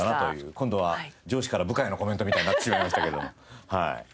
今度は上司から部下へのコメントみたいになってしまいましたけどもはい。